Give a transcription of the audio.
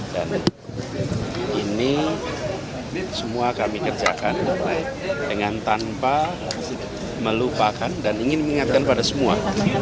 dan ini semua kami kerjakan dengan tanpa melupakan dan ingin mengingatkan pada semua